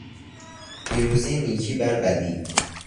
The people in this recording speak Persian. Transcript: پیروزی نیکی بر بدی